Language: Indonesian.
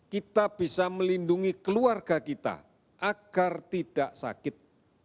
kita bisa melindungi keluarga kita agar tidak sakit